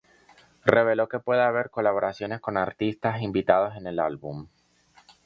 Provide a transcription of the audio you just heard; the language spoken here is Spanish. Reveló que puede haber colaboraciones con artistas invitados en el álbum.